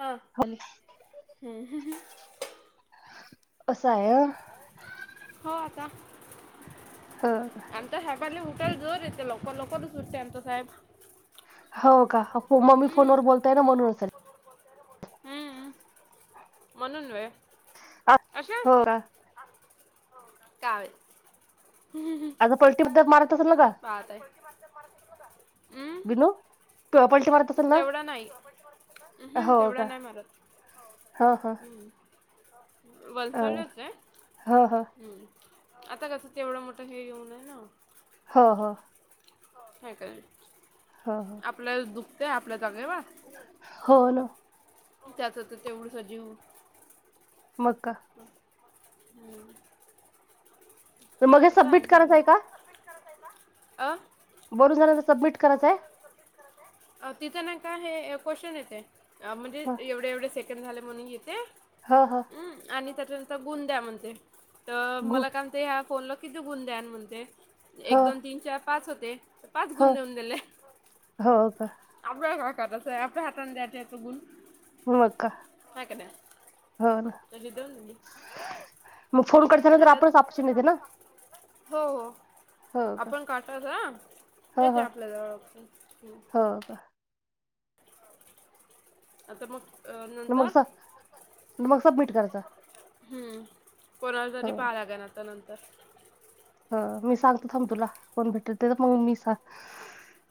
हा हम्म हम्म ह. [inaudible] असं आहे. [inaudible] हा का? हो. आमच्या हायबांनी उटेल जोर येते लवकर-लवकरच सुटते आमचा साहेब. हो का? [unintelligible] मम्मी फोन हम्म. वर बोलताय ना म्हणून होतय. हम्म म्हणून वेळ अशे हो का [inaudible] कावेल, हम्म ह. आज पलटीबद्द मारत असल का? मारतय. [inaudible] बिनो. तू पल्टी मारत असेल ना? तेवढा नाही हम्म हो तेवढा का? नाही मारत. [inaudible] हा हा. बसाला येते. हो हो हम्म आता कसं ते तेवढं मोठं हे घेऊन आहे. ना हो हो हो आहे काय? हो हो आपल्याला दुखतंय आपल्या जागेवर हो ना त्यातं त्याच तेवढंस जीव मग का हम्म मग हे सबमिट करायचं करायचे आहे का? करायचे का अं बोलून झाल्यावर सबमिट करायचं आहे? आ तिथं ना काय हे क्वेश्चन येते. म्हणजे एवढे एवढे सेकंड झाले म्हणून येते. हा हा हम्म आणि त्याच्यानंतर गुण द्या म्हणते. तर गु मला काय ते ह्या फोनला किती गुण द्याल. म्हणतेय हो एक, दोन, तीन, चार, पाच होते. पाच हो गुण देऊन दिले. हो का आपल्याला काय करायचं आहे. आपल्या हाताने द्यायचे आहेत. का गुण मग का हाय का नाय. हो ना जाऊन दिली. मग फोन करताना. जरा आता आपणच ऑप्शन येते. ना हो हो हो का आपण काटात ह हो येते. हो आपल्या जवळ ऑप्शन हम हो आता मग अ मग नंतर स- मग सबमिट करायचं हम्म कोणाला तरी हो पहायला लागेल ना आता नंतर ह मी सांगते थांब तुला कोण भेटल. ते तर मग मी सांग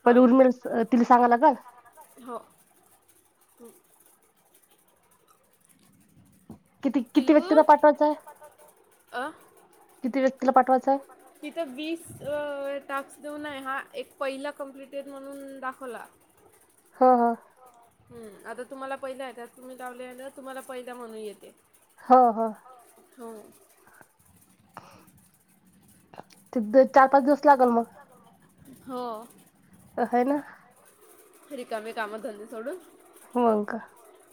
हो पहिले उर्मिला तिला सांगायला लागल. हो हम्म किती किती पिलू व्यक्तीला पाठवायचं आहे. अ किती व्यक्तीला पाठवायचं? तिथं वीस अ टास्क देऊन. हा एक पहिला कमप्लिटेड म्हणून दाखवला. हा हा हम्म आता तुम्हाला पहिला त्यात तुम्ही लावले ना तुम्हाला पहिला म्हणून येते. हो हो हो हम्म तब्येत चार, पाच दिवस लागल मग. हो हय ना रिकामे कामधंदे सोडून होंय का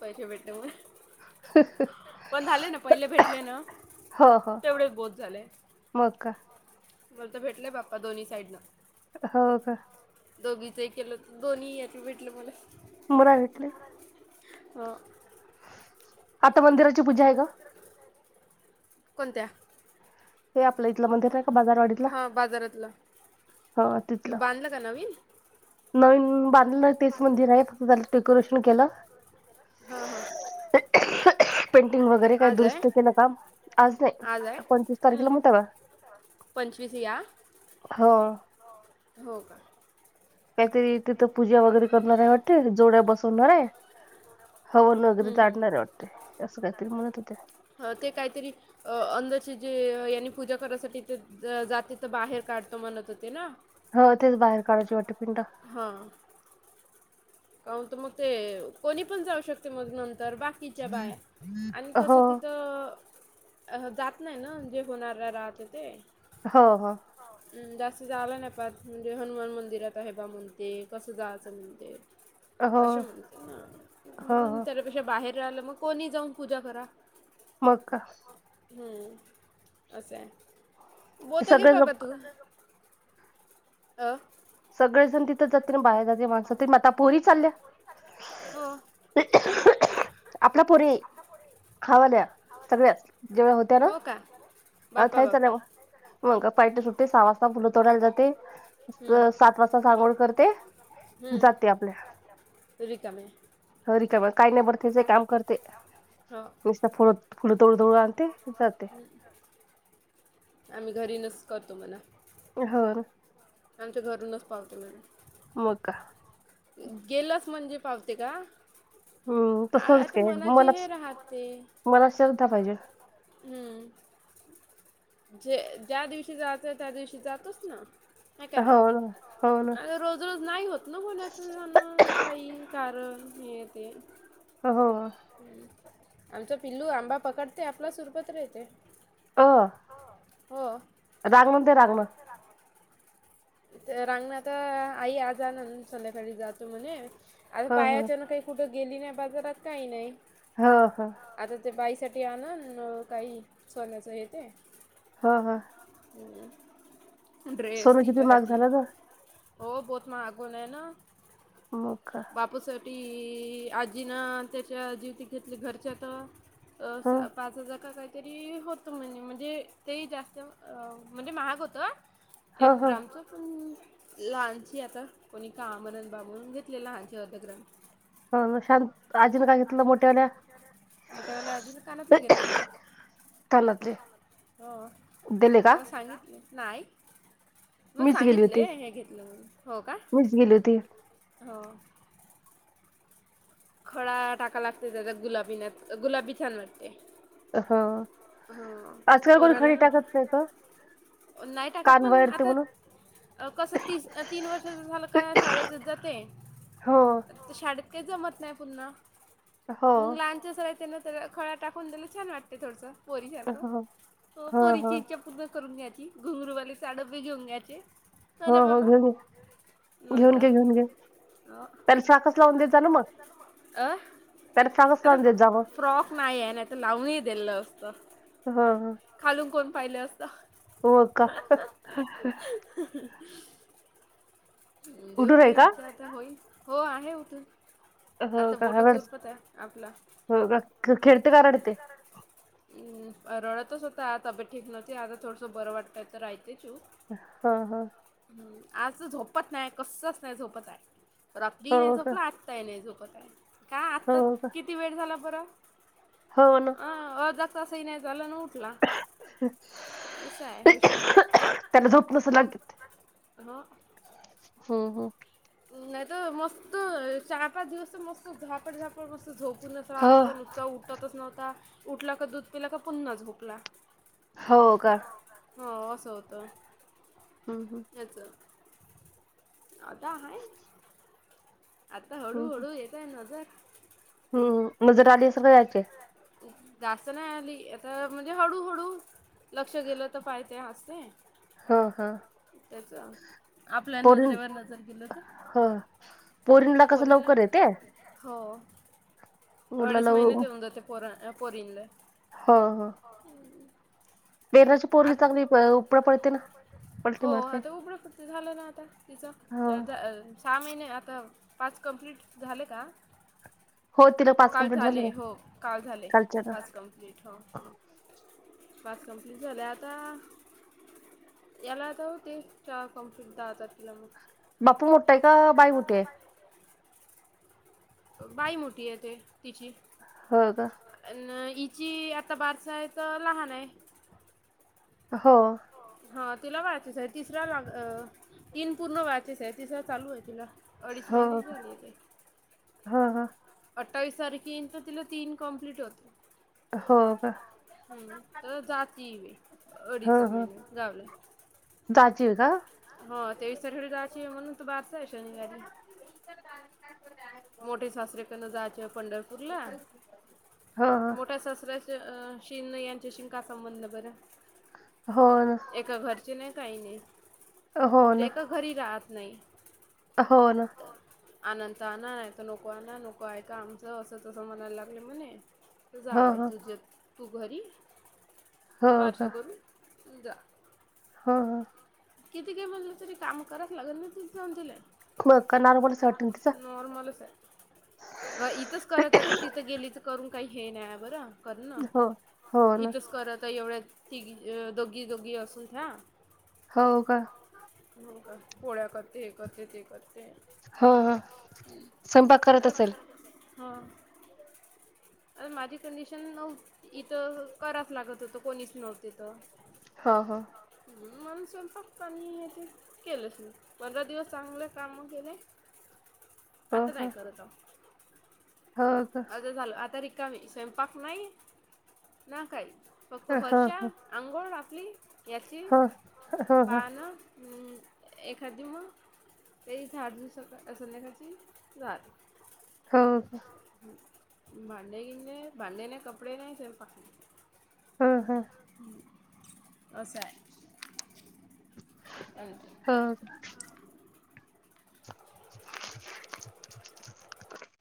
पैसे भेटते म्हणून पण झाले ना पहिले भेटले ना तेवढेच बोहोत झाले. मका मला तर भेटले बाप्पा दोन्ही साईडनं. हो का. दोघीचं हे केलं, दोन्ही याचे भेटलं मला मला घेतले. हो. आता मंदिराची पूजा हाय का? कोणत्या? हे आपलं इथलं मंदिर नाय का बाजारवाडीतला हां बाजारातलं हो तिथलं बांधलं का नवीन? नवीन बांधलं तेच मंदिर हाय फक्त त्याला डेकोरेशन केलं. हा हा. पेंटिंग वगैरे काय आज आहे. दुरुस्त केलं काम आज नाय आहे पंचवीस हम्म. तारखेला मोता का पंचवीस या हो. हो का. कायतरी तिथं पूजा वगैरे करणार आहे वाटते जोड्या बसवणार आहे. हो नगरे हम्म. हम्म. काढणार ये वाटते असं काहीतरी म्हणत होते. अ ते कायतरी. अ अंधाशे चे यांनी पूजा करायसाठी ते ज जातीत बाहेर काढतो म्हणत होते ना. हो तेच बाहेर काढायची वाटतं पिंड. हा. काय होत मग ते कोणी पण जाऊ शकते मग नंतर बाकीच्या बाया आणि हो कसं ति तर अ जात नाही ना जे होणार राहते ते. हो हो. म जास्त जाला नाय पाच म्हणजे हनुमान मंदिरात हे बा म्हणते कसं जायचं म्हणते. हो असे म्हणते हो म्हणून हो त्यापेक्षा बाहेर राहाल मग कोणी जाऊन पूजा करा. मका. हम्म असं हाय ते बोलत घ सगळे बाबा लोक तू अ. सगळे जण तिथं जाते ना बाहेर जाते माणसात मग आता पोरी चालल्या. हो आपला पोरीे खा वल्या सगळ्याच जेवाय होत्या ना. हो का आत बापा हायत बापा ना मग मग पार्टी सुट्टते, सहा वाजता फुलं तोडायला जाते. हम्म सात वाजताच अंघोळ करते जाते हम्म आपल्या रिकामे आहे ह रिकामं काय नाय बर त्याच हे काम करते हो नुसता फो थोडं थोडं आणते जाते. [unintelligible] [inaudible] आम्ही घरीनस करतो म्हणे हो. आमच्या घरूनच पावते म का. गेलास म्हणजे पावते का. हम्म अ तसंच आता काय मनाचे मनात हे राहते. मनात श्रद्धा पाहिजे हम्म जे ज्या दिवशी जातंय त्या दिवशी जातोच ना. हाय का हो ना हो ना नाय रो ज रोज नाही होत ना मुलाचे जाण काही कारण हे ते. हो हो. आमचा पिल्लू आंबा पकडते आपला सुरपत राहते. अ हो. [unintelligible] रागवूंदे रागनं रांगण आता आई आजणार संध्याकाळी जातो म्हणे, आता ह ह पायाच्यान काही कुठं गेली नाही बाजारात काही नाही. हो ह. आता ते बाईसाठी आणलं, काही सोन्याचं हे ते. हा हा. हम्म ड्रेस सोनं किती महाग तिच्यासाठी. झालं ग हो बौत महागन आहे ना. हो का. बापूसाठी आजीनं त्याच्या जिवतीत घेतली घरच्या तर ह अ पाच हजार का काही तरी होतं म्हणे,, म्हणजे ते जास्त, म्हणजे महाग होतं ह एक ह ग्रामचं. लहानची आता, कोणी का म्हणत बाबून लहानचे अर्ध ग्राम. हो शांत आजीनं काय घेतलं मोठ्यावाल्या.? मोठ्या वाल्या आजीनं कानातलं घेतलं खरं. कानातले हो, दिले का मग सां नाही, नाही. मग मीच गेली होती सांगितलंय हे घेतलं म्हणून,, हो का,, मीच गेली होती हो. खड टाका लागते त्याचात गुलाबीना,, गुलाबी छान वाटते. ह हं, आजकाल कोणी पोराला खडी हिता टाकत नाही का अ नाही टाकत कान पण वळते आता म्हणून अ कसं तीस तीन वर्षाच झालं का शाळेतच जाते. हो आ शाडेत काय जमत नाही पुन्हा. हो. य ना खळा टाकून दिलं छान वाटते थोडसं. हो पोरीसारखं,, हो हो पोरीची इच्छा पूर्ण करून घ्यायची, घुंगरूवाले साडप बी घेऊन घ्यायचे. हो ना हो बाबा घेऊन घे मग घेऊन का घे घेऊन घे, अ त्याला शाखस लावून द्यायचा ना मग. अ, त्याला फ्रॉकच आता लावून देत जा मग फ्रॉक नाही आहे नाहीतर लावूनही दिलं असतं. हा हा. खालून कोण पाहिलं असतं. हो का. [inaudible] देऊ उठून आहे देऊ का इच्छा आता होईल,, हो आहे उठून. हो आता का बोटं रड चुरपत आहे, आपला. हो का ख- खेळते का रडते हम्म रडतच होता तब्येत ठीक नव्हती, आता थोडसं बरं वाटतय तर राहतेय चूप हं हां. हम्म, आज झोपत नाय कसंच नाय झोपत हाय, रात्री हि नाही हो का झोपला आत्ताही नाय झोपत हाय, का हो आताच का किती वेड झाला बरं? हो ना. अं अरधा तासं ही नाय झालं नं ऊ आहे हुशार [unintelligible] त्यांला झोप नसल आली. हो. हो हो नाही तर मस्त चार पाच दिवस तर मस्त झापड झापड मस्त झोपूनच हो रात्रीचा नुसता उठतच नव्हता. उठला का दूध पिला का पुन्हाच झोपला. हो का हो अस होत. हम्म हम्म हेच आता हाय. आता हम्म हळूहळू येतय नजर. हम्म, नजर आली सगळ यायचे. जास्त नाही आली. आता म्हणजे हडुहळू लक्ष गेल तर पाहिते हसते. ह ह त्याच्या आपल्या नजरेवर नजर गेल तर. हो पोरीनला कस पोरीला लवकर येते. हो अडीच मुलाला महिन्यात येऊन जाते पोरा अ पोरींनला. हो हो [unintelligible] पोरगी आत, चांगली उपळा पडते ना पलटी हो मारते आता उघड पडत झाल ना आता. तिचा हो सहा महिने आता पाच कंप्लीट झाले का. तिला हो पाच काल कंप्लीट झाले. ना हो काल झाले कालच्या ना पाच कंप्लीट हो. पाच कंप्लीट झाल्या आता, याला आता होतील चार कम्प्लेंट दहा तारखेला मग. बापू मोठ आहे का बाई मोठी आहे. बाई मोठी येते तिची. हो का अ न हीची, आता बारस आहे तर लहान आहे. हो हा, तीला माहितीच आहे तिसरा लाग अ तीन पूर्ण व्हायचेच आहे. तिसरा चालू हाय तीला. अडीच हो महिनेच झालीये ते. हो हो अठ्ठावीस तारीख येईन तर तिला तीन कम्प्लीट होतील. हो का हम्म, तर जाती हम्म अडीचच हम्म, महिने गावला जाची आहे का. हो तेवीस तारखेला जायची म्हणून तर बारस आहे शनिवारी. मोठे सासरे कन त्याना जायचे पंढरपूरला. हो त हो मोठ्या सासऱ्यांशी ते शिन यांच्याशी का संबंध बर. हो न एका घरचे नाही काही नाहीे. हो म्हणजे ना एका घरी राहत नाही. हो ना आनंत आना. नाही तर नको आणा. नको ऐका आमच. अस तस म्हणायला लागले म्हणे. तर जा हो बाई हो तुझे तू घरी. हो बारस करून तू जा. हा हा किती काही म्हणल तरी काम करायच लागेल ना तिथे जाऊन तीले. मग का नॉर्मलच वाटेल तिचा नॉर्मलच आहे. ग इथच करात्याच, तिथ गेली तर करून कायी हे नाही बरं? करनं, हो हो ना इतंच करतय येवढे तिगी, दोगी दोगी असून थ्या होअ का? हो का? पोळ्या करते, हे करते, ते करते हो ह संपाक करत अरे असेल. हां, अन माझी कंडिशन नऊ इतं कराच लागत होतं कोणीच नव्हते तर. ह ह [inaudible] म मणून स्वम [inaudible] फक् कनी ए ते, केलंच मी, पंधरा दिवस चांगलं कामं केले हो आता काय हो करताव? हो का आता झालं. आता रिक कमी, सैंपाक नाई, ना काई. फक्त हो हो फरश्या आंघोळ घातली याची. हो हो पा ना? हम, एखाद दिऊ म. ते झाड दिव्स संध्याकाळची झाल्. होओ का? भांडे गिन नाई, भांडे नाही, कपडे नाही सैपाक ह हा हं असाय. अअ हो का? [inaudible]